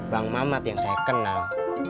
bang mamat yang saya kenal